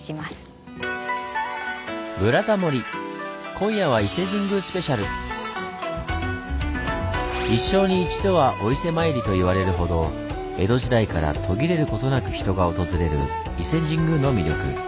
今夜は「一生に一度はお伊勢参り」と言われるほど江戸時代から途切れることなく人が訪れる伊勢神宮の魅力。